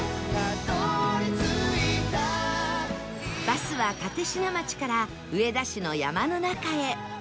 バスは立科町から上田市の山の中へ